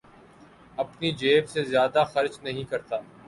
اپنی جیب سے زیادہ خرچ نہیں کرتا